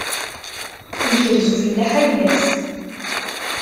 Yekrez ufellaḥ ayla-s.